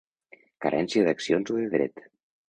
Carència d'accions o de dret.